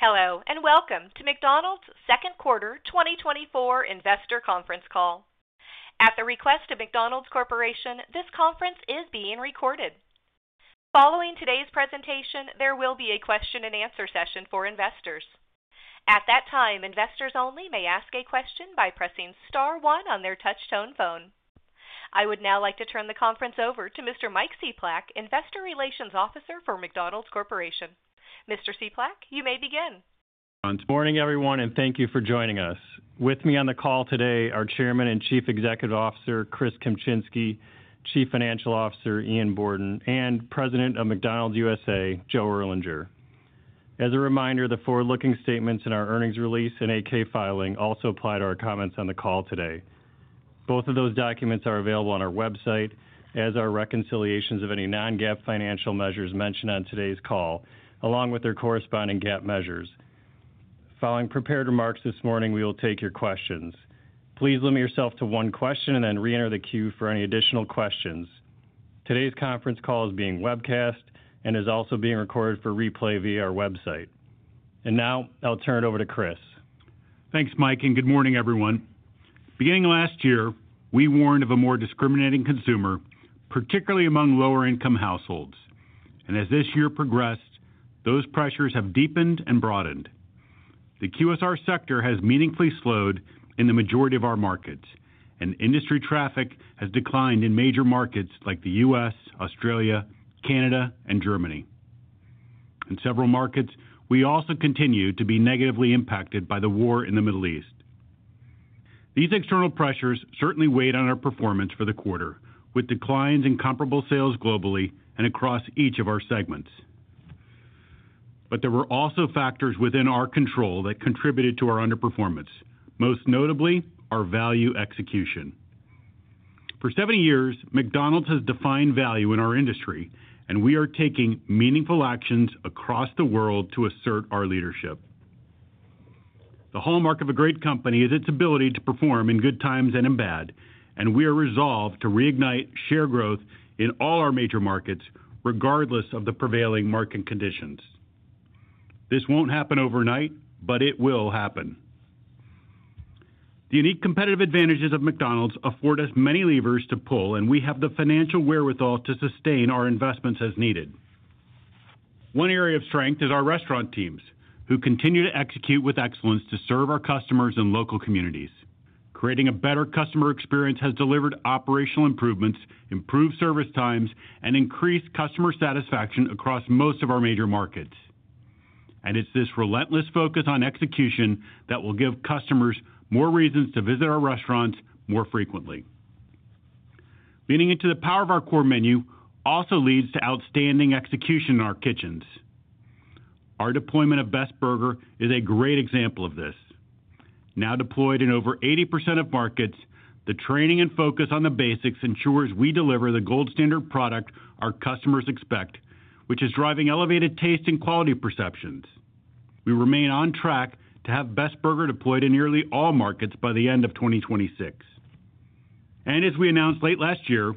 Hello, and welcome to McDonald's Second Quarter 2024 Investor Conference Call. At the request of McDonald's Corporation, this conference is being recorded. Following today's presentation, there will be a question-and-answer session for investors. At that time, investors only may ask a question by pressing star one on their touchtone phone. I would now like to turn the conference over to Mr. Mike Cieplak, Investor Relations Officer for McDonald's Corporation. Mr. Cieplak, you may begin. Good morning, everyone, and thank you for joining us. With me on the call today are Chairman and Chief Executive Officer Chris Kempczinski, Chief Financial Officer Ian Borden, and President of McDonald's USA Joe Erlinger. As a reminder, the forward-looking statements in our earnings release and 8-K filing also apply to our comments on the call today. Both of those documents are available on our website as are reconciliations of any non-GAAP financial measures mentioned on today's call, along with their corresponding GAAP measures. Following prepared remarks this morning, we will take your questions. Please limit yourself to one question and then reenter the queue for any additional questions. Today's conference call is being webcast and is also being recorded for replay via our website. Now, I'll turn it over to Chris. Thanks, Mike, and good morning, everyone. Beginning last year, we warned of a more discriminating consumer, particularly among lower-income households, and as this year progressed, those pressures have deepened and broadened. The QSR sector has meaningfully slowed in the majority of our markets, and industry traffic has declined in major markets like the U.S., Australia, Canada, and Germany. In several markets, we also continue to be negatively impacted by the war in the Middle East. These external pressures certainly weighed on our performance for the quarter, with declines in comparable sales globally and across each of our segments. But there were also factors within our control that contributed to our underperformance, most notably, our value execution. For 70 years, McDonald's has defined value in our industry, and we are taking meaningful actions across the world to assert our leadership. The hallmark of a great company is its ability to perform in good times and in bad, and we are resolved to reignite share growth in all our major markets, regardless of the prevailing market conditions. This won't happen overnight, but it will happen. The unique competitive advantages of McDonald's afford us many levers to pull, and we have the financial wherewithal to sustain our investments as needed. One area of strength is our restaurant teams, who continue to execute with excellence to serve our customers and local communities. Creating a better customer experience has delivered operational improvements, improved service times, and increased customer satisfaction across most of our major markets. It's this relentless focus on execution that will give customers more reasons to visit our restaurants more frequently. Leaning into the power of our core menu also leads to outstanding execution in our kitchens. Our deployment of Best Burger is a great example of this. Now deployed in over 80% of markets, the training and focus on the basics ensures we deliver the gold standard product our customers expect, which is driving elevated taste and quality perceptions. We remain on track to have Best Burger deployed in nearly all markets by the end of 2026. And as we announced late last year,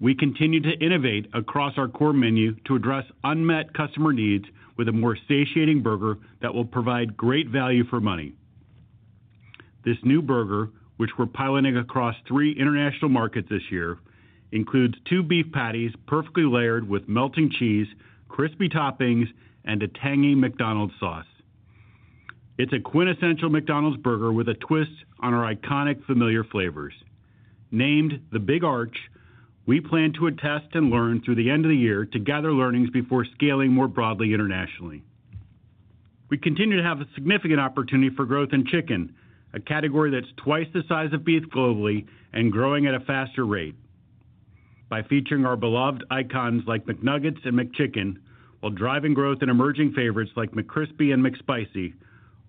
we continue to innovate across our core menu to address unmet customer needs with a more satiating burger that will provide great value for money. This new burger, which we're piloting across three international markets this year, includes two beef patties, perfectly layered with melting cheese, crispy toppings, and a tangy McDonald's sauce. It's a quintessential McDonald's burger with a twist on our iconic, familiar flavors. Named The Big Arch, we plan to test and learn through the end of the year to gather learnings before scaling more broadly internationally. We continue to have a significant opportunity for growth in chicken, a category that's twice the size of beef globally and growing at a faster rate. By featuring our beloved icons like McNuggets and McChicken, while driving growth in emerging favorites like McCrispy and McSpicy,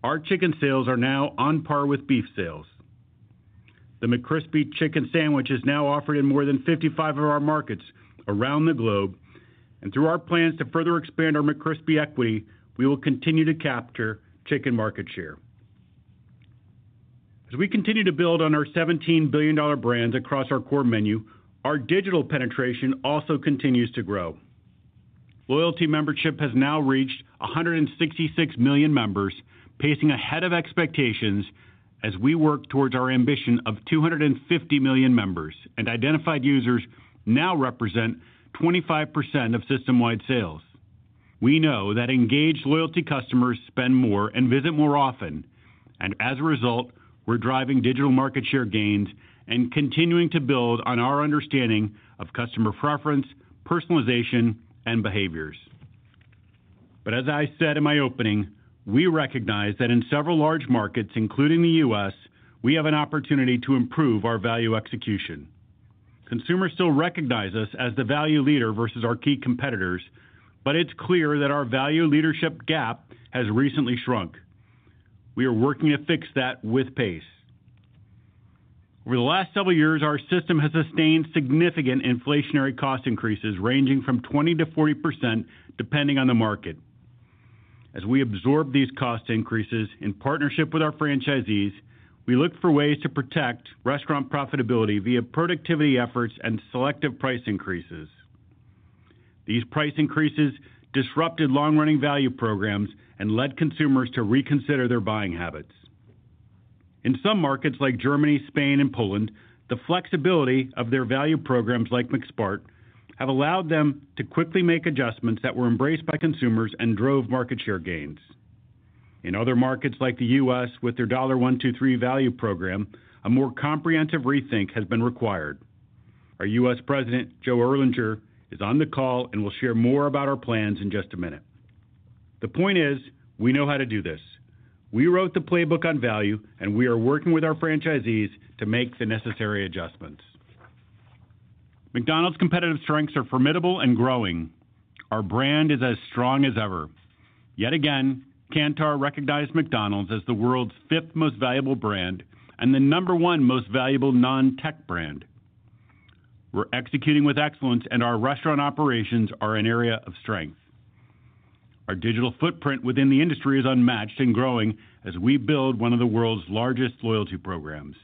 our chicken sales are now on par with beef sales. The McCrispy chicken sandwich is now offered in more than 55 of our markets around the globe, and through our plans to further expand our McCrispy equity, we will continue to capture chicken market share. As we continue to build on our $17 billion-dollar brands across our core menu, our digital penetration also continues to grow. Loyalty membership has now reached 166 million members, pacing ahead of expectations as we work towards our ambition of 250 million members, and identified users now represent 25% of system-wide sales. We know that engaged loyalty customers spend more and visit more often, and as a result, we're driving digital market share gains and continuing to build on our understanding of customer preference, personalization, and behaviors. But as I said in my opening, we recognize that in several large markets, including the U.S., we have an opportunity to improve our value execution. Consumers still recognize us as the value leader versus our key competitors, but it's clear that our value leadership gap has recently shrunk. We are working to fix that with pace. Over the last several years, our system has sustained significant inflationary cost increases, ranging from 20%-40%, depending on the market. As we absorb these cost increases in partnership with our franchisees, we look for ways to protect restaurant profitability via productivity efforts and selective price increases. These price increases disrupted long-running value programs and led consumers to reconsider their buying habits. In some markets like Germany, Spain, and Poland, the flexibility of their value programs, like McSmart, have allowed them to quickly make adjustments that were embraced by consumers and drove market share gains. In other markets, like the U.S., with their $1 $2 $3 Dollar Menu value program, a more comprehensive rethink has been required. Our U.S. President, Joe Erlinger, is on the call, and will share more about our plans in just a minute. The point is, we know how to do this. We wrote the playbook on value, and we are working with our franchisees to make the necessary adjustments. McDonald's competitive strengths are formidable and growing. Our brand is as strong as ever. Yet again, Kantar recognized McDonald's as the world's fifth most valuable brand and the number one most valuable non-tech brand. We're executing with excellence, and our restaurant operations are an area of strength. Our digital footprint within the industry is unmatched and growing as we build one of the world's largest loyalty programs.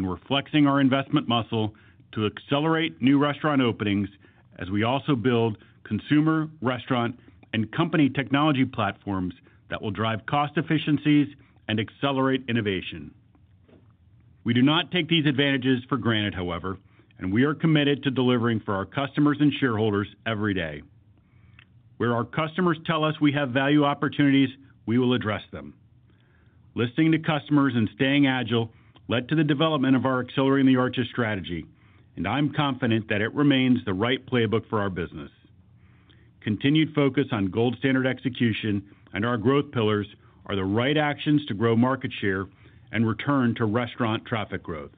We're flexing our investment muscle to accelerate new restaurant openings as we also build consumer, restaurant, and company technology platforms that will drive cost efficiencies and accelerate innovation. We do not take these advantages for granted, however, and we are committed to delivering for our customers and shareholders every day. Where our customers tell us we have value opportunities, we will address them. Listening to customers and staying agile led to the development of our Accelerating the Arches strategy, and I'm confident that it remains the right playbook for our business. Continued focus on gold standard execution and our growth pillars are the right actions to grow market share and return to restaurant traffic growth.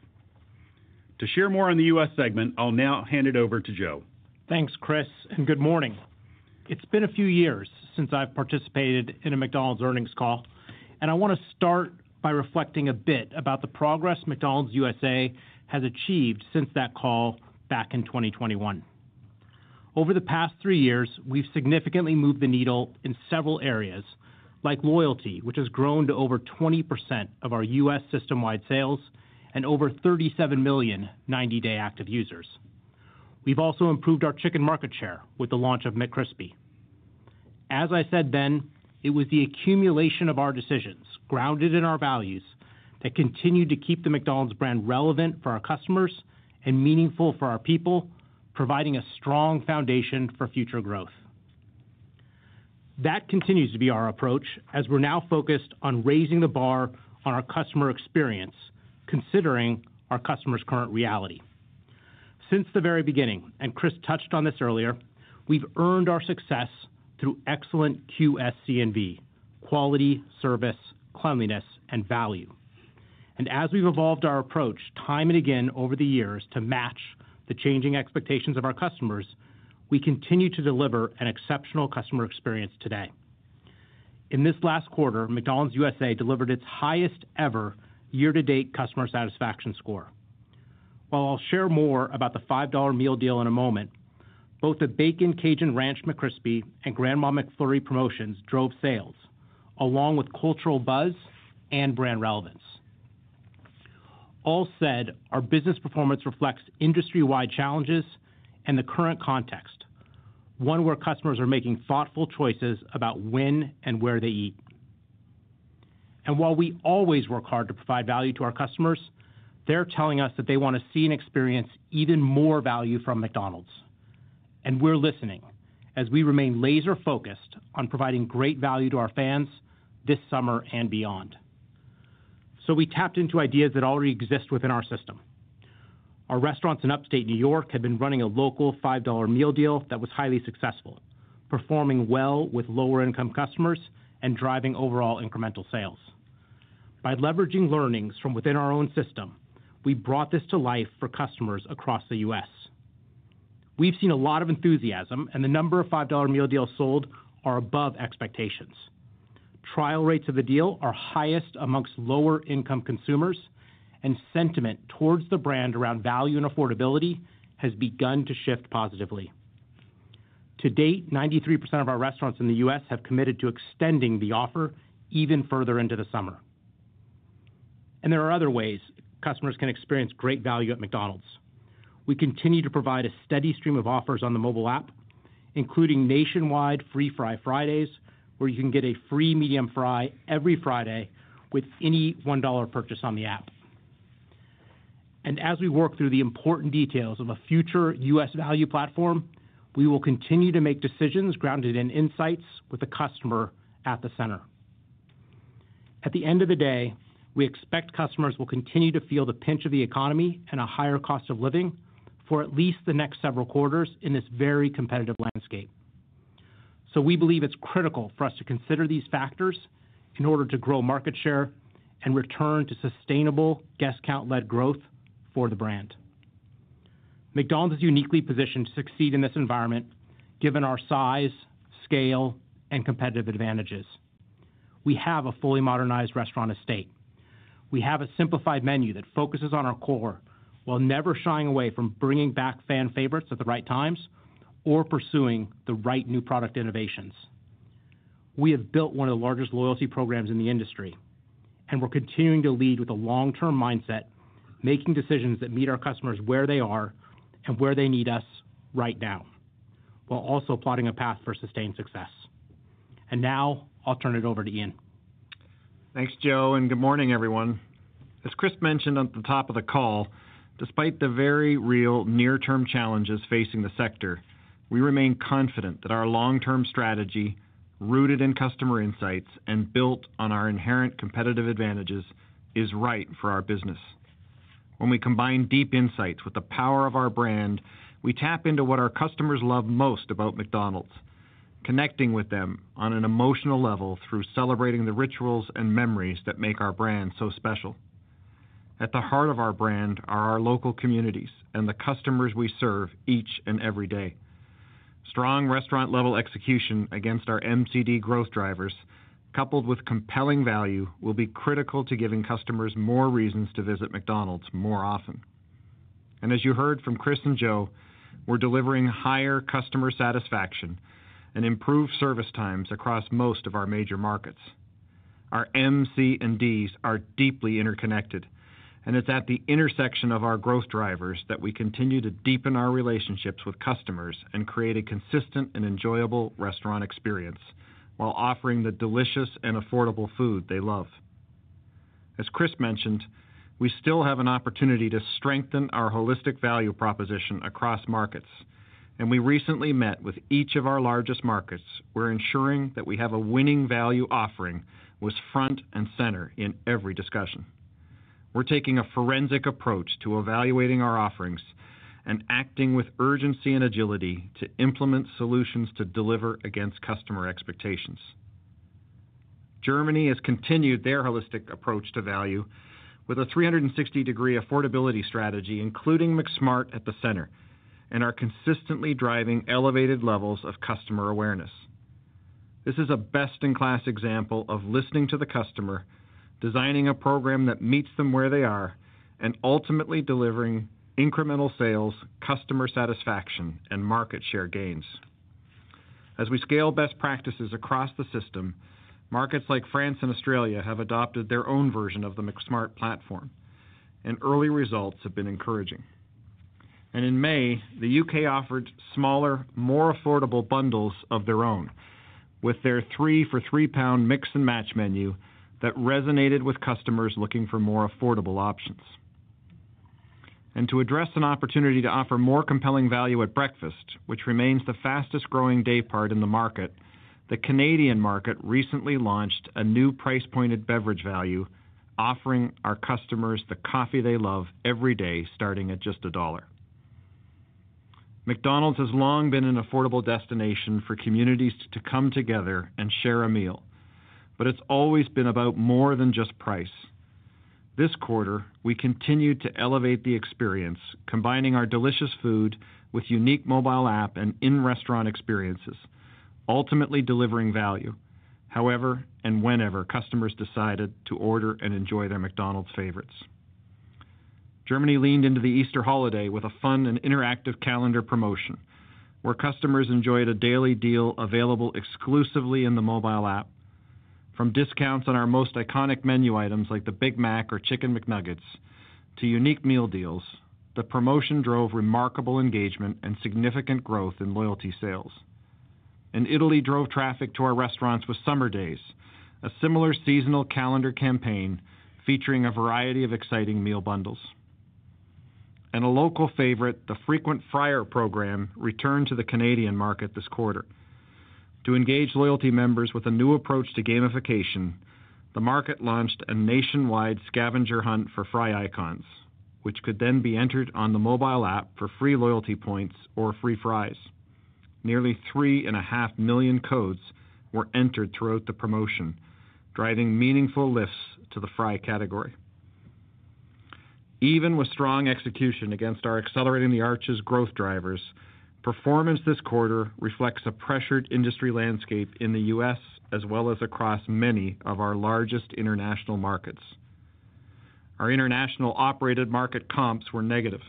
To share more on the U.S. segment, I'll now hand it over to Joe. Thanks, Chris, and good morning. It's been a few years since I've participated in a McDonald's earnings call, and I want to start by reflecting a bit about the progress McDonald's USA has achieved since that call back in 2021. Over the past three years, we've significantly moved the needle in several areas, like loyalty, which has grown to over 20% of our U.S. system-wide sales and over 37 million 90-day active users. We've also improved our chicken market share with the launch of McCrispy. As I said then, it was the accumulation of our decisions, grounded in our values, that continued to keep the McDonald's brand relevant for our customers and meaningful for our people, providing a strong foundation for future growth. That continues to be our approach, as we're now focused on raising the bar on our customer experience, considering our customers' current reality. Since the very beginning, and Chris touched on this earlier, we've earned our success through excellent QSC&V, quality, service, cleanliness, and value. And as we've evolved our approach time and again over the years to match the changing expectations of our customers, we continue to deliver an exceptional customer experience today. In this last quarter, McDonald's USA delivered its highest ever year-to-date customer satisfaction score. While I'll share more about the $5 Meal Deal in a moment, both the Bacon Cajun Ranch McCrispy and Grandma McFlurry promotions drove sales, along with cultural buzz and brand relevance. All said, our business performance reflects industry-wide challenges and the current context, one where customers are making thoughtful choices about when and where they eat. And while we always work hard to provide value to our customers, they're telling us that they want to see and experience even more value from McDonald's. We're listening, as we remain laser focused on providing great value to our fans this summer and beyond. We tapped into ideas that already exist within our system. Our restaurants in Upstate New York have been running a local $5 Meal Deal that was highly successful, performing well with lower-income customers and driving overall incremental sales. By leveraging learnings from within our own system, we brought this to life for customers across the U.S. We've seen a lot of enthusiasm, and the number of $5 Meal Deals sold are above expectations. Trial rates of the deal are highest amongst lower-income consumers, and sentiment towards the brand around value and affordability has begun to shift positively. To date, 93% of our restaurants in the U.S. have committed to extending the offer even further into the summer. There are other ways customers can experience great value at McDonald's. We continue to provide a steady stream of offers on the mobile app, including nationwide Free Fry Fridays, where you can get a free medium fry every Friday with any $1 purchase on the app. As we work through the important details of a future U.S. value platform, we will continue to make decisions grounded in insights with the customer at the center. At the end of the day, we expect customers will continue to feel the pinch of the economy and a higher cost of living for at least the next several quarters in this very competitive landscape. We believe it's critical for us to consider these factors in order to grow market share and return to sustainable guest count-led growth for the brand. McDonald's is uniquely positioned to succeed in this environment, given our size, scale, and competitive advantages. We have a fully modernized restaurant estate. We have a simplified menu that focuses on our core, while never shying away from bringing back fan favorites at the right times or pursuing the right new product innovations. We have built one of the largest loyalty programs in the industry, and we're continuing to lead with a long-term mindset, making decisions that meet our customers where they are and where they need us right now, while also plotting a path for sustained success. Now I'll turn it over to Ian. Thanks, Joe, and good morning, everyone. As Chris mentioned at the top of the call, despite the very real near-term challenges facing the sector, we remain confident that our long-term strategy, rooted in customer insights and built on our inherent competitive advantages, is right for our business. When we combine deep insights with the power of our brand, we tap into what our customers love most about McDonald's, connecting with them on an emotional level through celebrating the rituals and memories that make our brand so special. At the heart of our brand are our local communities and the customers we serve each and every day. Strong restaurant-level execution against our MCD growth drivers, coupled with compelling value, will be critical to giving customers more reasons to visit McDonald's more often. And as you heard from Chris and Joe, we're delivering higher customer satisfaction and improved service times across most of our major markets. Our M, C, and Ds are deeply interconnected, and it's at the intersection of our growth drivers that we continue to deepen our relationships with customers and create a consistent and enjoyable restaurant experience while offering the delicious and affordable food they love. As Chris mentioned, we still have an opportunity to strengthen our holistic value proposition across markets, and we recently met with each of our largest markets, where ensuring that we have a winning value offering was front and center in every discussion. We're taking a forensic approach to evaluating our offerings and acting with urgency and agility to implement solutions to deliver against customer expectations. Germany has continued their holistic approach to value with a 360-degree affordability strategy, including McSmart at the center, and are consistently driving elevated levels of customer awareness. This is a best-in-class example of listening to the customer, designing a program that meets them where they are, and ultimately delivering incremental sales, customer satisfaction, and market share gains. As we scale best practices across the system, markets like France and Australia have adopted their own version of the McSmart platform, and early results have been encouraging. In May, the U.K. offered smaller, more affordable bundles of their own, with their 3 for 3 pound Mix 'N' Match menu that resonated with customers looking for more affordable options. To address an opportunity to offer more compelling value at breakfast, which remains the fastest growing daypart in the market, the Canadian market recently launched a new price-pointed beverage value, offering our customers the coffee they love every day, starting at just CAD 1. McDonald's has long been an affordable destination for communities to come together and share a meal, but it's always been about more than just price. This quarter, we continued to elevate the experience, combining our delicious food with unique mobile app and in-restaurant experiences, ultimately delivering value, however, and whenever customers decided to order and enjoy their McDonald's favorites. Germany leaned into the Easter holiday with a fun and interactive calendar promotion, where customers enjoyed a daily deal available exclusively in the mobile app. From discounts on our most iconic menu items, like the Big Mac or Chicken McNuggets, to unique meal deals, the promotion drove remarkable engagement and significant growth in loyalty sales. Italy drove traffic to our restaurants with Summer Days, a similar seasonal calendar campaign featuring a variety of exciting meal bundles. A local favorite, the Frequent Fryer program, returned to the Canadian market this quarter. To engage loyalty members with a new approach to gamification, the market launched a nationwide scavenger hunt for fry icons, which could then be entered on the mobile app for free loyalty points or free fries. Nearly 3.5 million codes were entered throughout the promotion, driving meaningful lifts to the fry category. Even with strong execution against our Accelerating the Arches growth drivers, performance this quarter reflects a pressured industry landscape in the U.S., as well as across many of our largest international markets. Our international operated market comps were negative,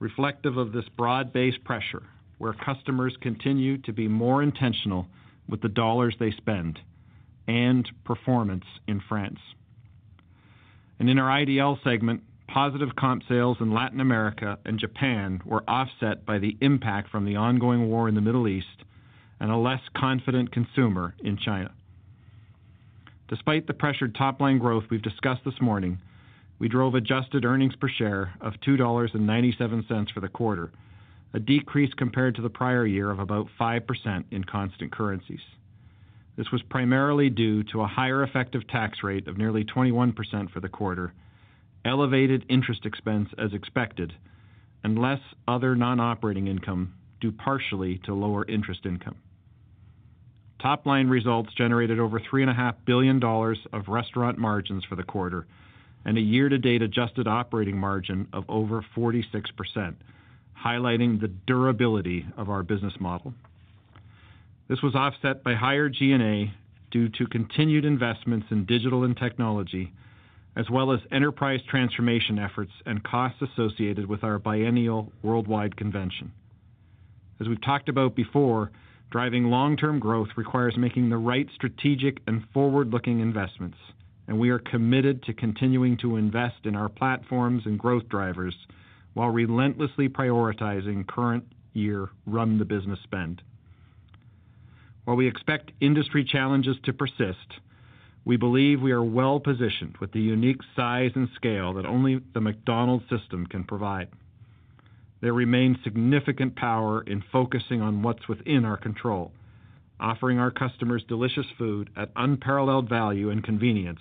reflective of this broad-based pressure, where customers continue to be more intentional with the dollars they spend, and performance in France. In our IDL segment, positive comp sales in Latin America and Japan were offset by the impact from the ongoing war in the Middle East and a less confident consumer in China. Despite the pressured top-line growth we've discussed this morning, we drove adjusted earnings per share of $2.97 for the quarter, a decrease compared to the prior year of about 5% in constant currencies. This was primarily due to a higher effective tax rate of nearly 21% for the quarter, elevated interest expense as expected, and less other non-operating income, due partially to lower interest income. Top-line results generated over $3.5 billion of restaurant margins for the quarter and a year-to-date adjusted operating margin of over 46%, highlighting the durability of our business model. This was offset by higher G&A due to continued investments in digital and technology, as well as enterprise transformation efforts and costs associated with our biennial worldwide convention.... As we've talked about before, driving long-term growth requires making the right strategic and forward-looking investments, and we are committed to continuing to invest in our platforms and growth drivers while relentlessly prioritizing current year run the business spend. While we expect industry challenges to persist, we believe we are well positioned with the unique size and scale that only the McDonald's system can provide. There remains significant power in focusing on what's within our control, offering our customers delicious food at unparalleled value and convenience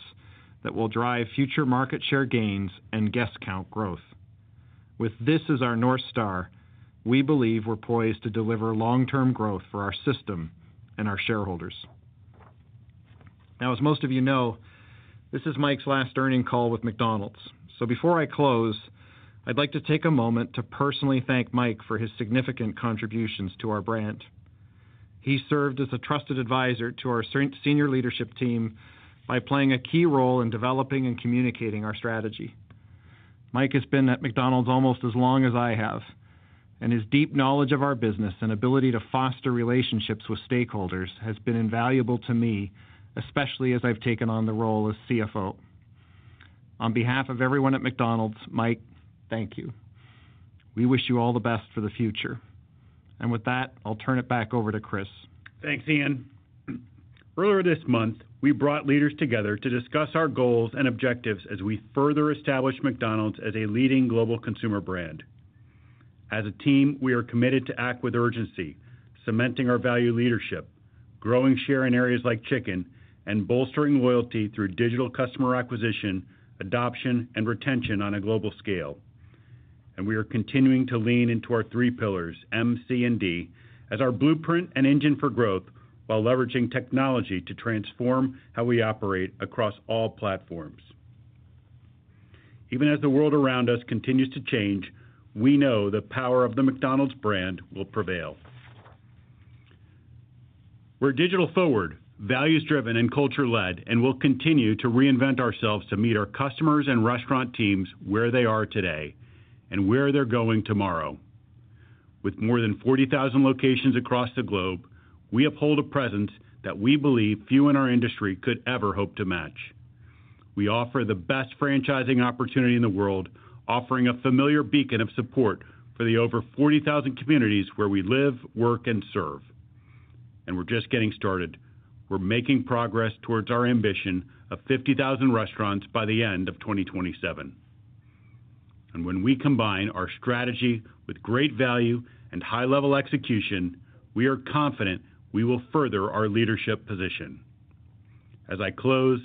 that will drive future market share gains and guest count growth. With this as our North Star, we believe we're poised to deliver long-term growth for our system and our shareholders. Now, as most of you know, this is Mike's last earnings call with McDonald's. So before I close, I'd like to take a moment to personally thank Mike for his significant contributions to our brand. He served as a trusted advisor to our senior leadership team by playing a key role in developing and communicating our strategy. Mike has been at McDonald's almost as long as I have, and his deep knowledge of our business and ability to foster relationships with stakeholders has been invaluable to me, especially as I've taken on the role as CFO. On behalf of everyone at McDonald's, Mike, thank you. We wish you all the best for the future. With that, I'll turn it back over to Chris. Thanks, Ian. Earlier this month, we brought leaders together to discuss our goals and objectives as we further establish McDonald's as a leading global consumer brand. As a team, we are committed to act with urgency, cementing our value leadership, growing share in areas like chicken, and bolstering loyalty through digital customer acquisition, adoption, and retention on a global scale. And we are continuing to lean into our three pillars, M, C, and D, as our blueprint and engine for growth while leveraging technology to transform how we operate across all platforms. Even as the world around us continues to change, we know the power of the McDonald's brand will prevail. We're digital forward, values-driven, and culture-led, and we'll continue to reinvent ourselves to meet our customers and restaurant teams where they are today and where they're going tomorrow. With more than 40,000 locations across the globe, we uphold a presence that we believe few in our industry could ever hope to match. We offer the best franchising opportunity in the world, offering a familiar beacon of support for the over 40,000 communities where we live, work, and serve. We're just getting started. We're making progress towards our ambition of 50,000 restaurants by the end of 2027. When we combine our strategy with great value and high-level execution, we are confident we will further our leadership position. As I close,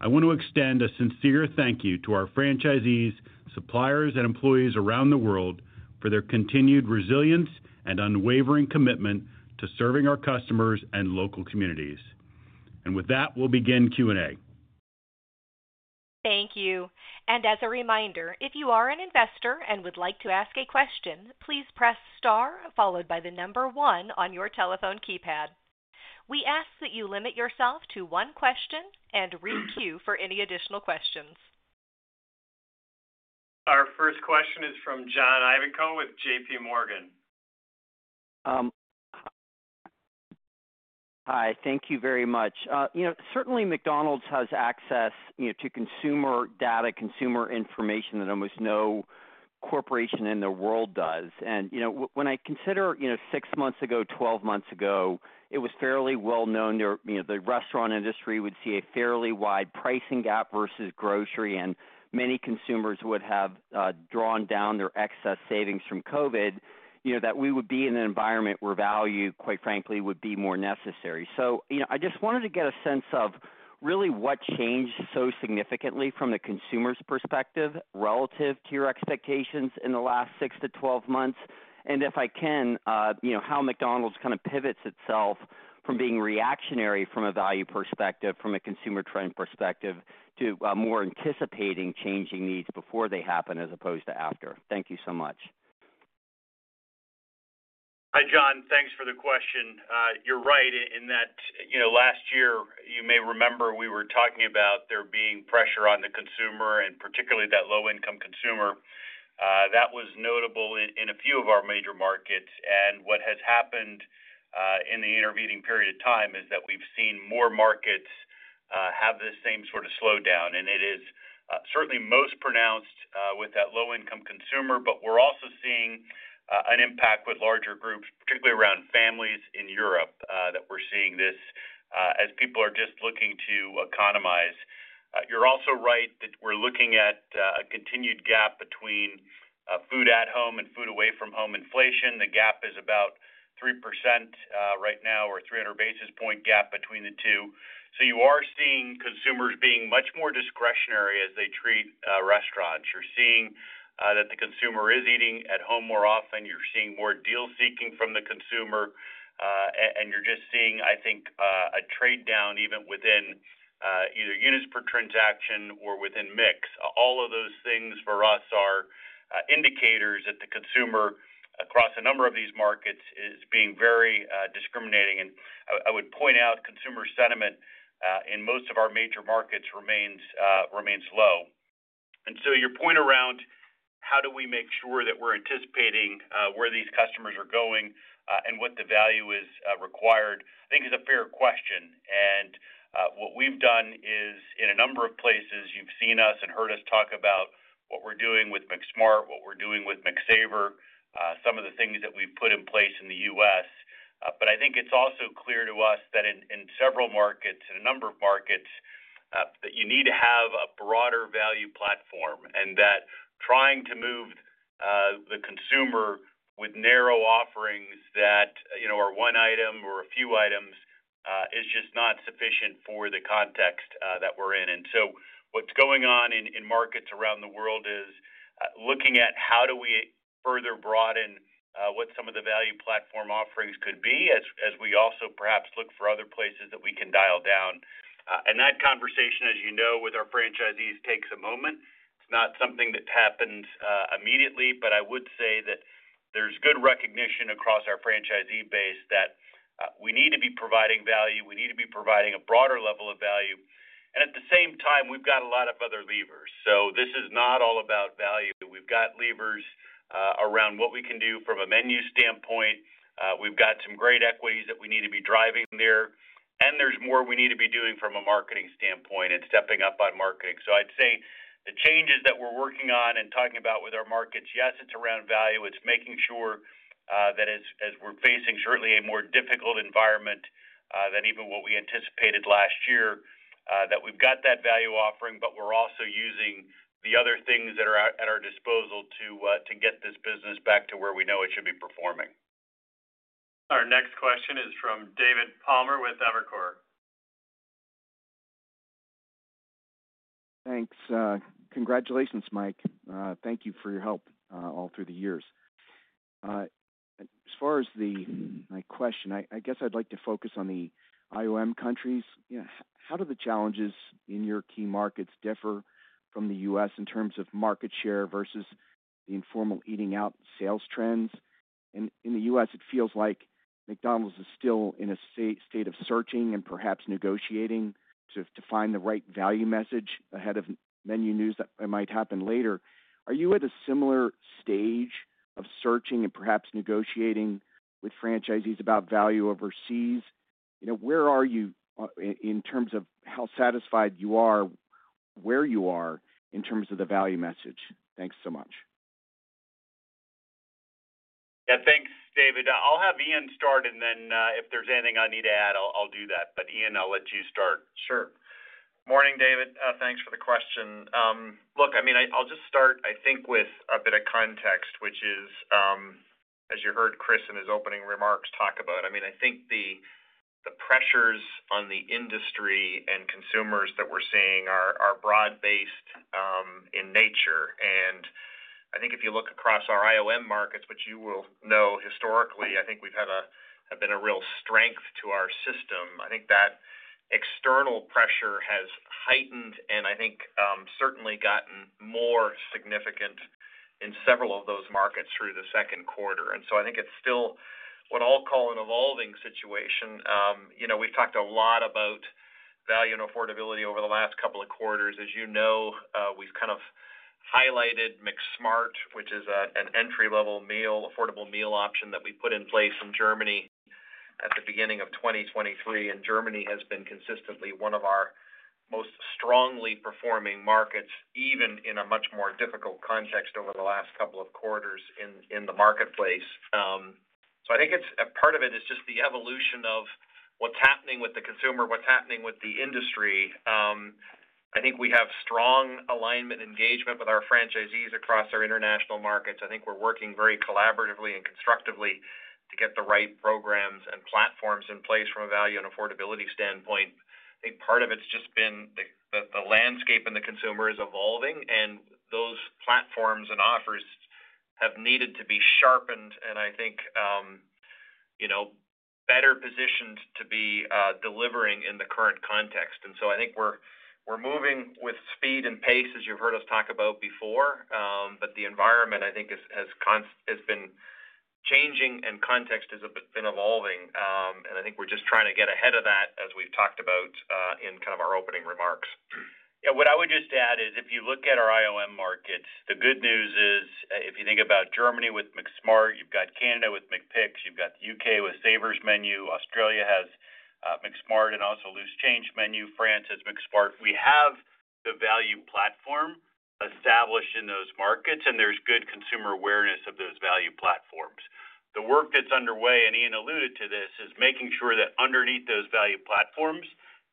I want to extend a sincere thank you to our franchisees, suppliers, and employees around the world for their continued resilience and unwavering commitment to serving our customers and local communities. With that, we'll begin Q&A. Thank you. And as a reminder, if you are an investor and would like to ask a question, please press star followed by the number one on your telephone keypad. We ask that you limit yourself to one question and re-queue for any additional questions. Our first question is from John Ivankoe with JPMorgan. Hi, thank you very much. You know, certainly McDonald's has access, you know, to consumer data, consumer information that almost no corporation in the world does. And, you know, when I consider, you know, six months ago, 12 months ago, it was fairly well known you know, the restaurant industry would see a fairly wide pricing gap versus grocery, and many consumers would have drawn down their excess savings from COVID, you know, that we would be in an environment where value, quite frankly, would be more necessary. So, you know, I just wanted to get a sense of really what changed so significantly from the consumer's perspective relative to your expectations in the last six to 12 months. If I can, you know, how McDonald's kind of pivots itself from being reactionary from a value perspective, from a consumer trend perspective, to more anticipating changing needs before they happen as opposed to after. Thank you so much. Hi, John. Thanks for the question. You're right in that, you know, last year, you may remember we were talking about there being pressure on the consumer and particularly that low-income consumer. That was notable in a few of our major markets. What has happened in the intervening period of time is that we've seen more markets have the same sort of slowdown, and it is certainly most pronounced with that low-income consumer. But we're also seeing an impact with larger groups, particularly around families in Europe, that we're seeing this as people are just looking to economize. You're also right that we're looking at a continued gap between food at home and food away from home inflation. The gap is about 3%, right now, or 300 basis point gap between the two. So you are seeing consumers being much more discretionary as they treat restaurants. You're seeing that the consumer is eating at home more often, you're seeing more deal seeking from the consumer, and you're just seeing, I think, a trade down even within either units per transaction or within mix. All of those things for us are indicators that the consumer, across a number of these markets, is being very discriminating. And I would point out, consumer sentiment in most of our major markets remains low. And so your point around, how do we make sure that we're anticipating, where these customers are going, and what the value is, required? I think is a fair question, and, what we've done is in a number of places you've seen us and heard us talk about what we're doing with McSmart, what we're doing with McSaver, some of the things that we've put in place in the U.S.. But I think it's also clear to us that in several markets, in a number of markets, that you need to have a broader value platform, and that trying to move, the consumer with narrow offerings that, you know, are one item or a few items, is just not sufficient for the context, that we're in. So what's going on in markets around the world is looking at how do we further broaden what some of the value platform offerings could be, as we also perhaps look for other places that we can dial down. That conversation, as you know, with our franchisees, takes a moment. It's not something that happens immediately, but I would say that there's good recognition across our franchisee base that we need to be providing value. We need to be providing a broader level of value, and at the same time, we've got a lot of other levers. So this is not all about value. We've got levers around what we can do from a menu standpoint. We've got some great equities that we need to be driving there, and there's more we need to be doing from a marketing standpoint and stepping up on marketing. So I'd say the changes that we're working on and talking about with our markets, yes, it's around value. It's making sure that as we're facing certainly a more difficult environment than even what we anticipated last year, that we've got that value offering, but we're also using the other things that are at our disposal to get this business back to where we know it should be performing. Our next question is from David Palmer with Evercore. Thanks. Congratulations, Mike. Thank you for your help all through the years. As far as my question, I guess I'd like to focus on the IOM countries. How do the challenges in your key markets differ from the U.S. in terms of market share versus the informal eating out sales trends? In the U.S., it feels like McDonald's is still in a state of searching and perhaps negotiating to find the right value message ahead of menu news that might happen later. Are you at a similar stage of searching and perhaps negotiating with franchisees about value overseas? You know, where are you in terms of how satisfied you are, where you are in terms of the value message? Thanks so much. Yeah, thanks, David. I'll have Ian start, and then, if there's anything I need to add, I'll do that. But, Ian, I'll let you start. Sure. Morning, David. Thanks for the question. Look, I mean, I'll just start, I think, with a bit of context, which is, as you heard Chris in his opening remarks, talk about. I mean, I think the, the pressures on the industry and consumers that we're seeing are, are broad-based, in nature. And I think if you look across our IOM markets, which you will know historically, I think we've had a, have been a real strength to our system. I think that external pressure has heightened and I think, certainly gotten more significant in several of those markets through the second quarter. And so I think it's still what I'll call an evolving situation. You know, we've talked a lot about value and affordability over the last couple of quarters. As you know, we've kind of highlighted McSmart, which is an entry-level meal, affordable meal option that we put in place in Germany at the beginning of 2023, and Germany has been consistently one of our most strongly performing markets, even in a much more difficult context over the last couple of quarters in the marketplace. So I think it's a part of it is just the evolution of what's happening with the consumer, what's happening with the industry. I think we have strong alignment and engagement with our franchisees across our international markets. I think we're working very collaboratively and constructively to get the right programs and platforms in place from a value and affordability standpoint. I think part of it has just been the landscape and the consumer is evolving, and those platforms and offers have needed to be sharpened and I think, you know, better positioned to be delivering in the current context. And so I think we're moving with speed and pace, as you've heard us talk about before, but the environment, I think, has been changing and context has been evolving. And I think we're just trying to get ahead of that, as we've talked about, in kind of our opening remarks. Yeah, what I would just add is, if you look at our IOM markets, the good news is, if you think about Germany with McSmart, you've got Canada with McPicks, you've got the U.K. with Saver Menu, Australia has McSmart and also Loose Change Menu, France has McSmart. We have the value platform established in those markets, and there's good consumer awareness of those value platforms. The work that's underway, and Ian alluded to this, is making sure that underneath those value platforms,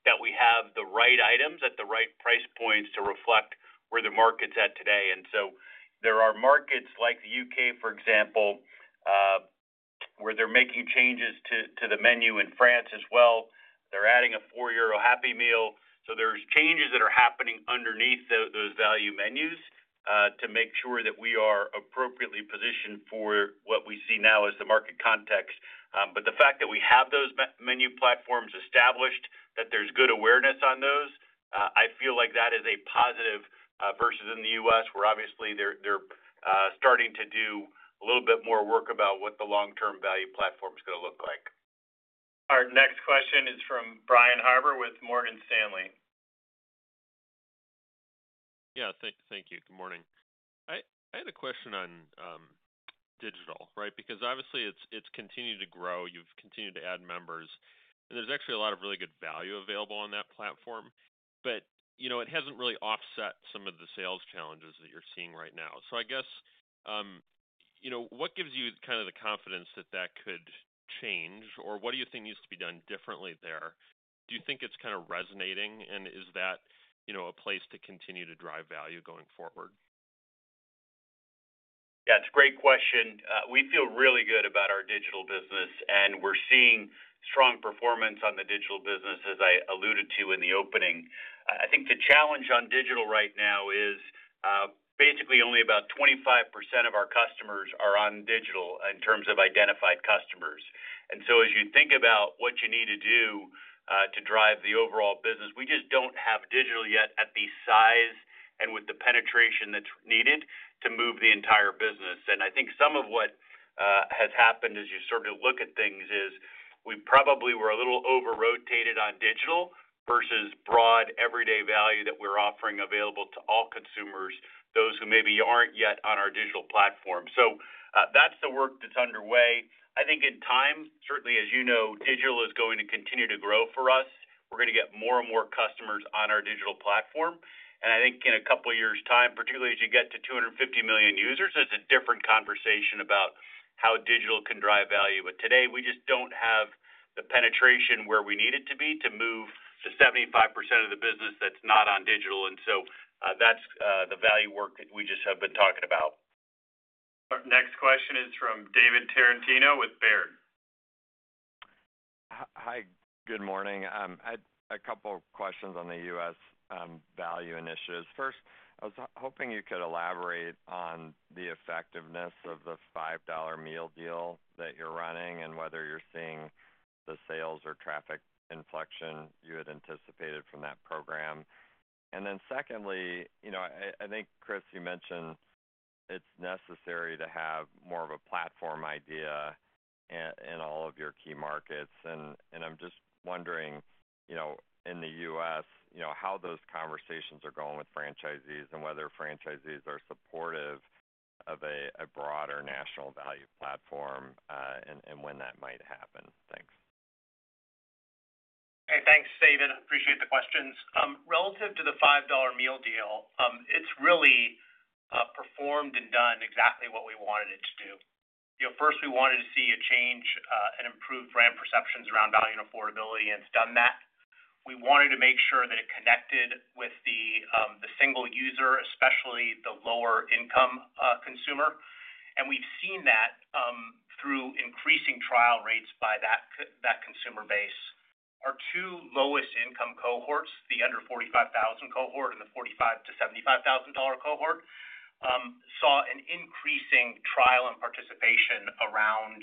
that we have the right items at the right price points to reflect where the market's at today. And so there are markets like the U.K., for example, where they're making changes to the menu, in France as well. They're adding a four-year-old Happy Meal. So there's changes that are happening underneath those value menus to make sure that we are appropriately positioned for what we see now as the market context. But the fact that we have those menu platforms established, that there's good awareness on those, I feel like that is a positive versus in the U.S., where obviously they're starting to do a little bit more work about what the long-term value platform is going to look like. Our next question is from Brian Harbour with Morgan Stanley. Yeah, thank you. Good morning. I had a question on digital, right? Because obviously it's continued to grow, you've continued to add members, and there's actually a lot of really good value available on that platform. But, you know, it hasn't really offset some of the sales challenges that you're seeing right now. So I guess, you know, what gives you kind of the confidence that that could change? Or what do you think needs to be done differently there? Do you think it's kind of resonating, and is that, you know, a place to continue to drive value going forward? Yeah, it's a great question. We feel really good about our digital business, and we're seeing strong performance on the digital business, as I alluded to in the opening. I think the challenge on digital right now is basically only about 25% of our customers are on digital in terms of identified customers. And so as you think about what you need to do to drive the overall business, we just don't have digital yet at the size and with the penetration that's needed to move the entire business. And I think some of what has happened as you sort of look at things is, we probably were a little over-rotated on digital versus broad, everyday value that we're offering available to all consumers, those who maybe aren't yet on our digital platform. So, that's the work that's underway. I think in time, certainly, as you know, digital is going to continue to grow for us. We're gonna get more and more customers on our digital platform. And I think in a couple of years' time, particularly as you get to 250 million users, it's a different conversation about how digital can drive value. But today, we just don't have the penetration where we need it to be to move the 75% of the business that's not on digital, and so, that's the value work that we just have been talking about. Our next question is from David Tarantino with Baird. Hi, good morning. I had a couple of questions on the U.S. value initiatives. First, I was hoping you could elaborate on the effectiveness of the $5 Meal Deal that you're running and whether you're seeing the sales or traffic inflection you had anticipated from that program. And then secondly, you know, I think, Chris, you mentioned it's necessary to have more of a platform idea in all of your key markets. And I'm just wondering, you know, in the U.S., you know, how those conversations are going with franchisees and whether franchisees are supportive of a broader national value platform, and when that might happen? Thanks. Hey, thanks, David. Appreciate the questions. Relative to the $5 Meal Deal, it's really performed and done exactly what we wanted it to do. You know, first, we wanted to see a change and improved brand perceptions around value and affordability, and it's done that. We wanted to make sure that it connected with the single user, especially the lower income consumer. And we've seen that through increasing trial rates by that consumer base. Our two lowest income cohorts, the under $45,000 cohort and the $45,000-$75,000 dollar cohort, saw an increasing trial and participation around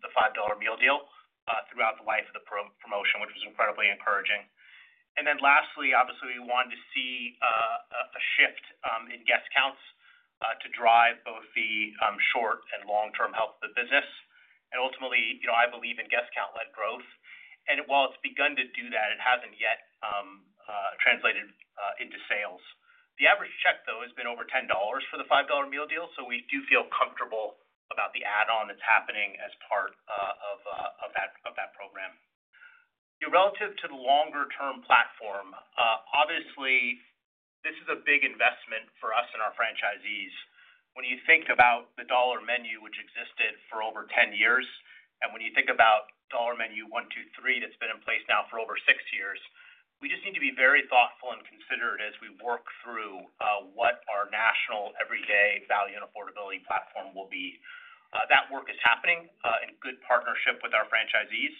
the $5 Meal Deal throughout the life of the promotion, which was incredibly encouraging. Then lastly, obviously, we wanted to see a shift in guest counts to drive both the short- and long-term health of the business. Ultimately, you know, I believe in guest count-led growth, and while it's begun to do that, it hasn't yet translated into sales. The average check, though, has been over $10 for the $5 Meal Deal, so we do feel comfortable about the add-on that's happening as part of that program. Relative to the longer-term platform, obviously, this is a big investment for us and our franchisees. When you think about the Dollar Menu, which existed for over 10 years, and when you think about $1 $2 $3 Dollar Menu, that's been in place now for over six years, we just need to be very thoughtful and considered as we work through what our national everyday value and affordability platform will be. That work is happening in good partnership with our franchisees,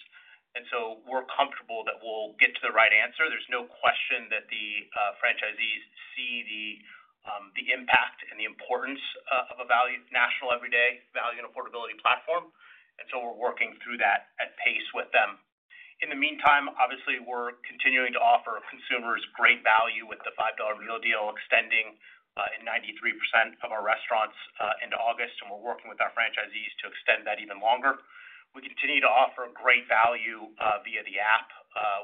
and so we're comfortable that we'll get to the right answer. There's no question that the franchisees see the impact and the importance of a value, national everyday value and affordability platform, and so we're working through that at pace with them. In the meantime, obviously, we're continuing to offer consumers great value with the $5 Meal Deal, extending in 93% of our restaurants into August, and we're working with our franchisees to extend that even longer. We continue to offer great value via the app,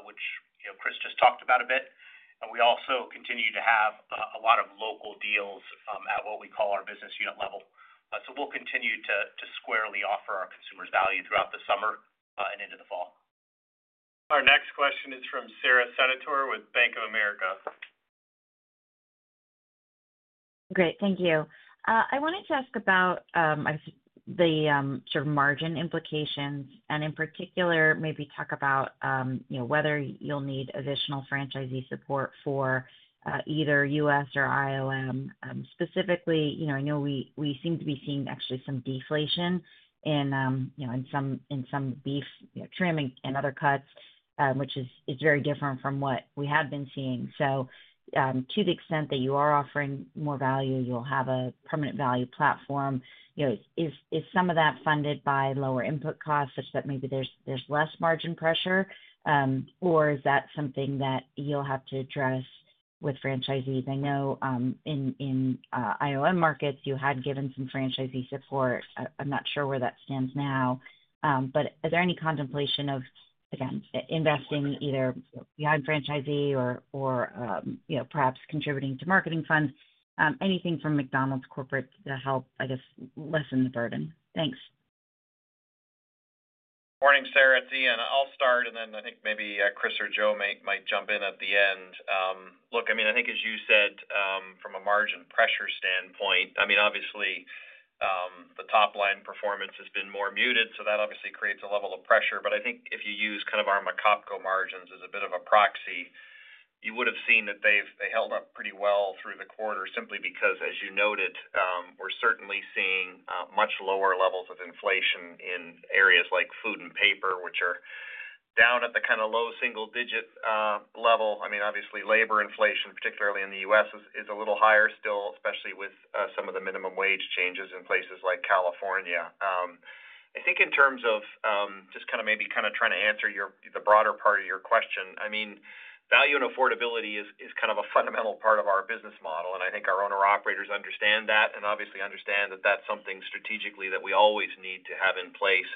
which, you know, Chris just talked about a bit, and we also continue to have a lot of local deals at what we call our business unit level. So we'll continue to squarely offer our consumers value throughout the summer and into the fall. Our next question is from Sara Senatore with Bank of America. Great, thank you. I wanted to ask about, I guess, the sort of margin implications, and in particular, maybe talk about, you know, whether you'll need additional franchisee support for, either U.S. or IOM. Specifically, you know, I know we seem to be seeing actually some deflation in, you know, in some beef, you know, trimming and other cuts, which is very different from what we had been seeing. So, to the extent that you are offering more value, you'll have a permanent value platform. You know, is some of that funded by lower input costs, such that maybe there's less margin pressure? Or is that something that you'll have to address with franchisees? I know in IOM markets, you had given some franchisee support. I'm not sure where that stands now. But is there any contemplation of, again, investing either behind franchisee or you know, perhaps contributing to marketing funds? Anything from McDonald's corporate to help, I guess, lessen the burden? Thanks. Morning, Sarah. It's Ian. I'll start, and then I think maybe Chris or Joe may, might jump in at the end. Look, I mean, I think as you said, from a margin pressure standpoint, I mean, obviously, the top-line performance has been more muted, so that obviously creates a level of pressure. But I think if you use kind of our McOpCo margins as a bit of a proxy, you would have seen that they've they held up pretty well through the quarter, simply because, as you noted, we're certainly seeing much lower levels of inflation in areas like food and paper, which are down at the low single-digit level. I mean, obviously, labor inflation, particularly in the U.S., is a little higher still, especially with some of the minimum wage changes in places like California. I think in terms of just maybe trying to answer your, the broader part of your question, I mean, value and affordability is kind of a fundamental part of our business model, and I think our owner-operators understand that and obviously understand that that's something strategically that we always need to have in place.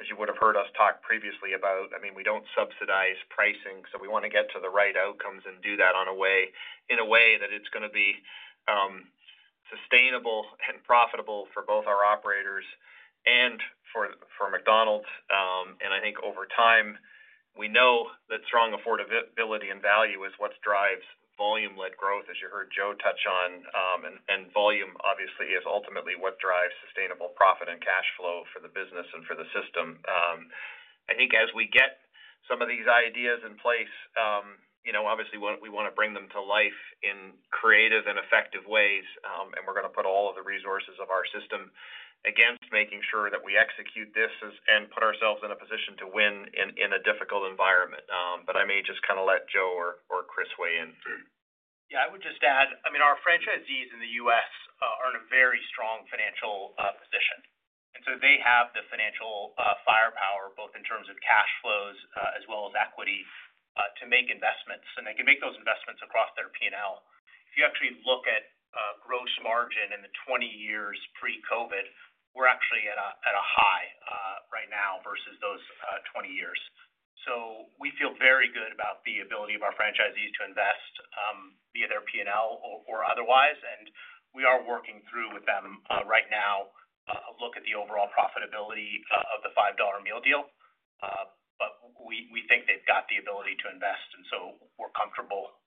As you would have heard us talk previously about, I mean, we don't subsidize pricing, so we want to get to the right outcomes and do that on a way—in a way that it's going to be sustainable and profitable for both our operators and for McDonald's. I think over time, we know that strong affordability and value is what drives volume-led growth, as you heard Joe touch on, and volume, obviously, is ultimately what drives sustainable profit and cash flow for the business and for the system. I think as we get some of these ideas in place, you know, obviously, we want to bring them to life in creative and effective ways, and we're going to put all of the resources of our system against making sure that we execute this as and put ourselves in a position to win in a difficult environment. But I may just kind of let Joe or Chris weigh in. Yeah, I would just add, I mean, our franchisees in the U.S. are in a very strong financial position, and so they have the financial firepower, both in terms of cash flows as well as equity to make investments, and they can make those investments across their P&L. If you actually look at gross margin in the 20 years pre-COVID, we're actually at a, at a high right now versus those 20 years. So we feel very good about the ability of our franchisees to invest, be it their P&L or, or otherwise, and we are working through with them right now a look at the overall profitability of the $5 Meal Deal. But we, we think they've got the ability to invest, and so we're comfortable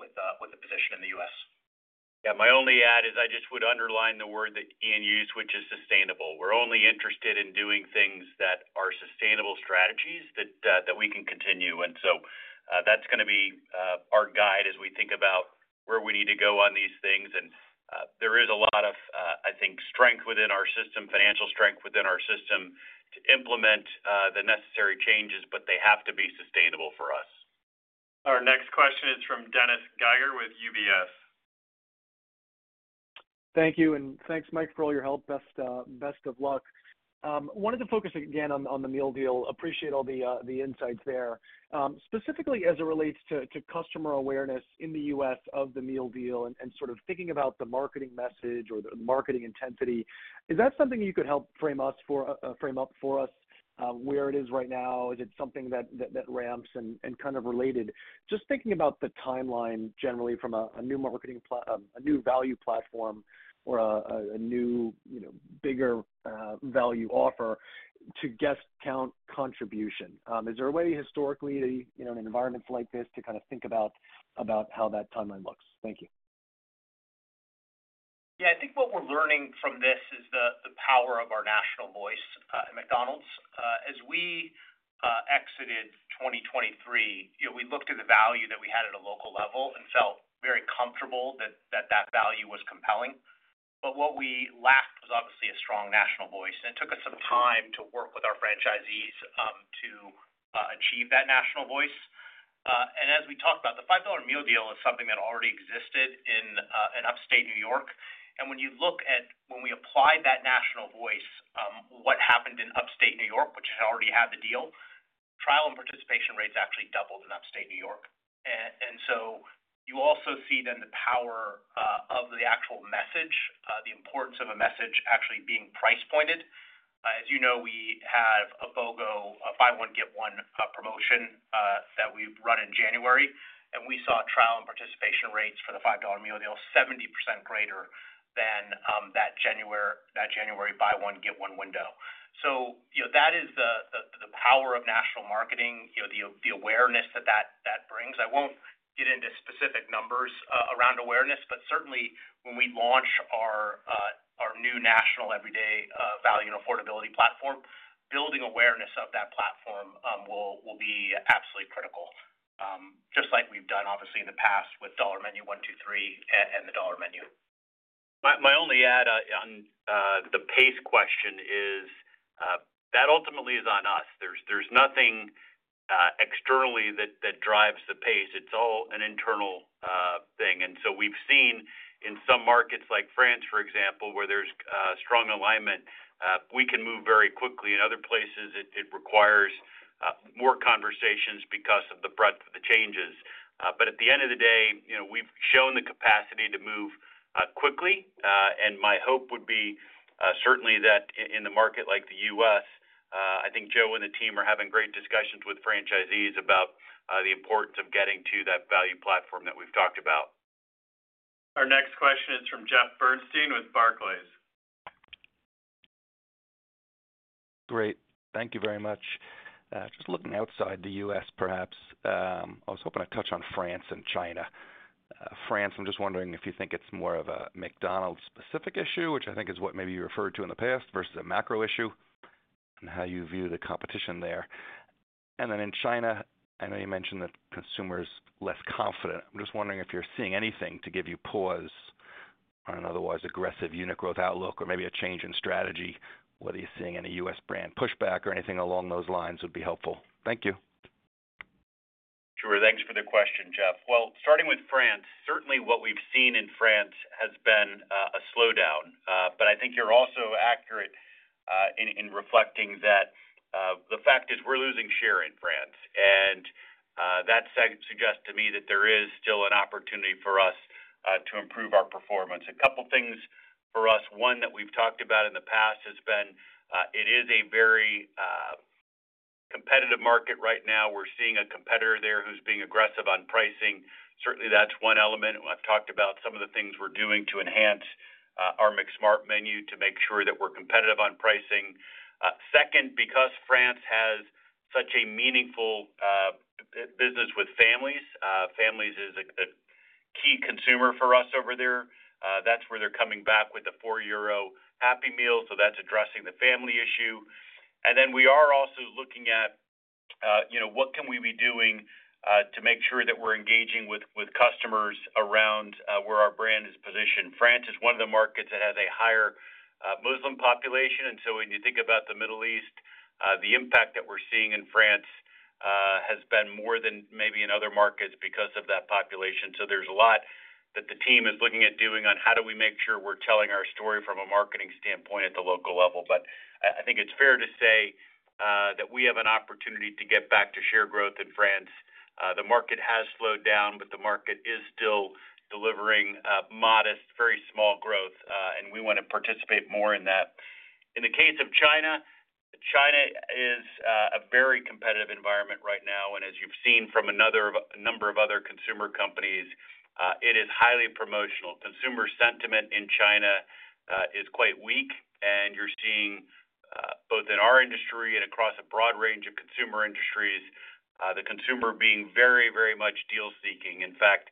with, with the position in the U.S.. Yeah, my only add is I just would underline the word that Ian used, which is sustainable. We're only interested in doing things that are sustainable strategies that, that we can continue. And so, that's going to be our guide as we think about where we need to go on these things. And, there is a lot of, I think, strength within our system, financial strength within our system, to implement the necessary changes, but they have to be sustainable for us. Our next question is from Dennis Geiger with UBS. Thank you, and thanks, Mike, for all your help. Best, best of luck. Wanted to focus again on the meal deal. Appreciate all the insights there. Specifically as it relates to customer awareness in the U.S. of the meal deal and sort of thinking about the marketing message or the marketing intensity, is that something you could help frame up for us, where it is right now? Is it something that ramps and kind of related, just thinking about the timeline, generally from a new marketing platform, a new value platform or a new, you know, bigger value offer to guest count contribution. Is there a way historically, you know, in environments like this to kind of think about how that timeline looks? Thank you. Yeah, I think what we're learning from this is the power of our national voice at McDonald's. As we exited 2023, you know, we looked at the value that we had at a local level and felt very comfortable that value was compelling. But what we lacked was obviously a strong national voice, and it took us some time to work with our franchisees to achieve that national voice. And as we talked about, the $5 Meal Deal is something that already existed in Upstate New York. And when you look at when we applied that national voice, what happened in Upstate New York, which already had the deal, trial and participation rates actually doubled in Upstate New York. And so you also see then the power of the actual message, the importance of a message actually being price pointed. As you know, we have a BOGO, a buy one get one promotion, that we run in January, and we saw trial and participation rates for the $5 Meal Deal 70% greater than that January buy one get one window. So you know, that is the power of national marketing, you know, the awareness that that brings. I won't get into specific numbers around awareness, but certainly when we launch our new national everyday value and affordability platform, building awareness of that platform will be absolutely critical, just like we've done, obviously, in the past with $1 $2 $3 Dollar Menu and the Dollar Menu. My only add on the PACE question is that ultimately is on us. There's nothing externally that drives the PACE. It's all an internal thing. And so we've seen in some markets like France, for example, where there's strong alignment, we can move very quickly. In other places, it requires more conversations because of the breadth of the changes. But at the end of the day, you know, we've shown the capacity to move quickly. And my hope would be certainly that in the market like the U.S., I think Joe and the team are having great discussions with franchisees about the importance of getting to that value platform that we've talked about. Our next question is from Jeff Bernstein with Barclays. Great. Thank you very much. Just looking outside the U.S. perhaps, I was hoping to touch on France and China. France, I'm just wondering if you think it's more of a McDonald's specific issue, which I think is what maybe you referred to in the past, versus a macro issue, and how you view the competition there. And then in China, I know you mentioned that consumer is less confident. I'm just wondering if you're seeing anything to give you pause on an otherwise aggressive unit growth outlook or maybe a change in strategy, whether you're seeing any U.S. brand pushback or anything along those lines would be helpful. Thank you. Sure. Thanks for the question, Jeff. Well, starting with France, certainly what we've seen in France has been a slowdown. But I think you're also accurate in reflecting that the fact is we're losing share in France, and that suggests to me that there is still an opportunity for us to improve our performance. A couple of things for us, one that we've talked about in the past has been it is a very competitive market right now. We're seeing a competitor there who's being aggressive on pricing. Certainly, that's one element. I've talked about some of the things we're doing to enhance our McSmart menu to make sure that we're competitive on pricing. Second, because France has such a meaningful business with families, families is a key consumer for us over there. That's where they're coming back with a 4 euro Happy Meal, so that's addressing the family issue. And then we are also looking at, you know, what can we be doing, to make sure that we're engaging with, with customers around, where our brand is positioned. France is one of the markets that has a higher, Muslim population, and so when you think about the Middle East, the impact that we're seeing in France, has been more than maybe in other markets because of that population. So there's a lot that the team is looking at doing on how do we make sure we're telling our story from a marketing standpoint at the local level. But I, I think it's fair to say, that we have an opportunity to get back to share growth in France. The market has slowed down, but the market is still delivering modest, very small growth, and we want to participate more in that. In the case of China, China is a very competitive environment right now, and as you've seen from another, a number of other consumer companies, it is highly promotional. Consumer sentiment in China is quite weak, and you're seeing both in our industry and across a broad range of consumer industries the consumer being very, very much deal seeking. In fact,